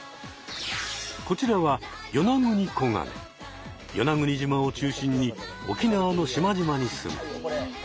こちらは与那国島を中心に沖縄の島々にすむ。